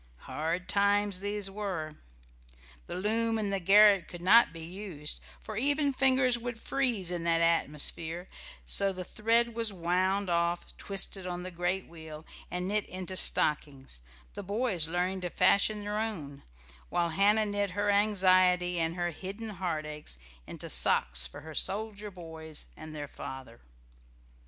Hard times these were. The loom in the garret could not be used, for even fingers would freeze in that atmosphere; so the thread was wound off, twisted on the great wheel, and knit into stockings, the boys learning to fashion their own, while Hannah knit her anxiety and her hidden heartaches into socks for her soldier boys and their father.